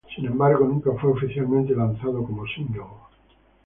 Sin embargo nunca fue oficialmente lanzado como single.